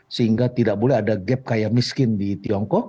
sehingga tidak boleh ada gap kaya miskin di tiongkok